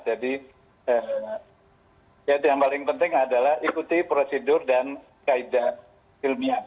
jadi yang paling penting adalah ikuti prosedur dan kaedah ilmiah